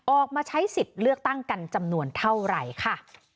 ออกมาใช้สิทธิ์เลือกตั้งกันจำนวนเท่าไหร่ค่ะ